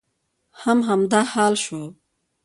هم همدا حال شو.